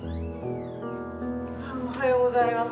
おはようございます。